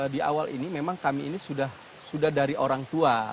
di awal ini memang kami ini sudah dari orang tua